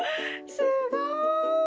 すごい！